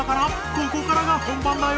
ここからが本番だよ！